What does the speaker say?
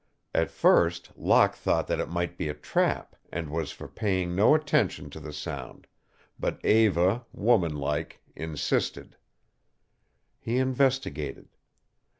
At first Locke thought that it might be a trap and was for paying no attention to the sound, but Eva, woman like, insisted. He investigated.